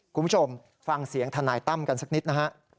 คุณผู้ชมฟังเสียงทนายตั้มกันสักนิดนะฮะ